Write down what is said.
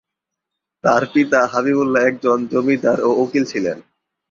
তার পিতা হাবিবুল্লাহ একজন জমিদার ও উকিল ছিলেন।